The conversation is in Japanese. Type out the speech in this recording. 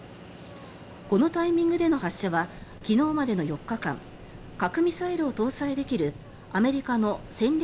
このタイミングでの発射は昨日までの４日間核ミサイルを搭載できるアメリカの戦略